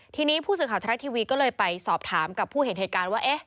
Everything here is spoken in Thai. ทีนี้ผู้สื่อข่าวทรัฐทีวีก็เลยไปสอบถามกับผู้เห็นเหตุการณ์ว่า